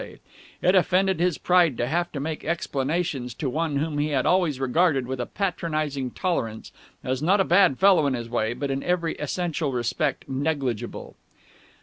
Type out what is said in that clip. It offended his pride to have to make explanations to one whom he had always regarded with a patronizing tolerance as not a bad fellow in his way but in every essential respect negligible.